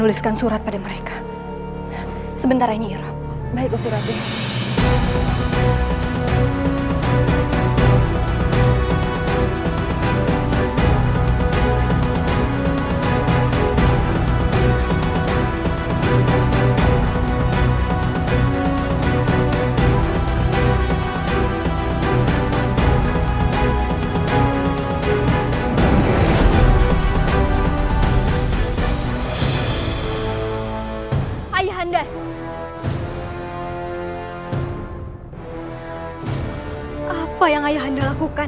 untuk mencari ayahanda